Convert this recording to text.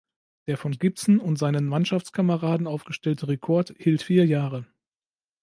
Der von Gibson und seinen Mannschaftskameraden aufgestellte Rekord hielt vier Jahre.